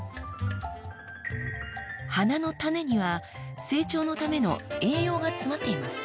花の種には成長のための栄養が詰まっています。